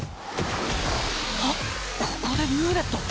ここでルーレット？